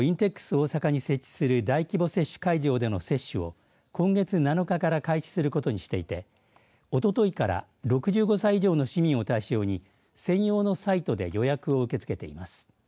大阪に設置する大規模接種会場での接種を今月７日から開始することにしていておとといから６５歳以上の市民を対象に専用のサイトで予約を受け付けています。